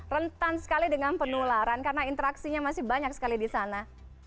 rentan sekali dengan penularan karena interaksinya masih banyak sekali di sana